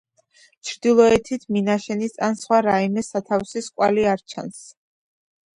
ჩრდილოეთით მინაშენის ან სხვა რაიმე სათავსის კვალი არ ჩანს.